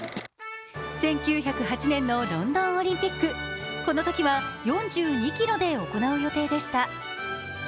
１９０８年のロンドンオリンピックこのときは４２ｋｍで行う予定でした。